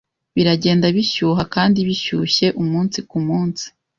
Biragenda bishyuha kandi bishyushye umunsi ku munsi.